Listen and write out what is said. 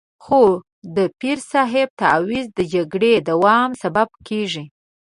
خو د پیر صاحب تعویض د جګړې دوام سبب کېږي.